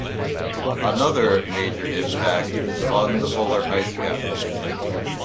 Another major impact is on the polar ice caps.